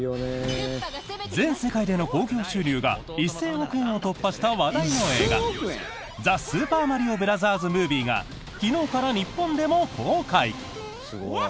全世界での興行収入が１０００億円を突破した話題の映画「ザ・スーパーマリオブラザーズ・ムービー」が昨日から日本でも公開！